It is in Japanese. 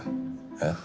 えっ？